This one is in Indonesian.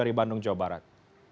dari bandung jawa barat